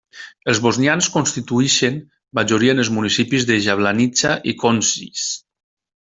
Els bosnians constituïxen majoria en els municipis de Jablanica i Konjic.